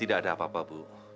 tidak ada apa apa bu